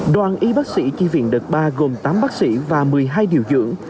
đoàn y bác sĩ chi viện đợt ba gồm tám bác sĩ và một mươi hai điều dưỡng